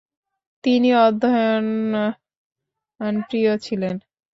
তিনি অধ্যয়নপ্রিয় ছিলেন।